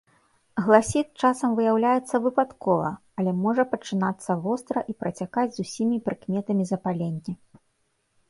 Гласіт часам выяўляецца выпадкова, але можа пачынацца востра і працякаць з усімі прыкметамі запалення.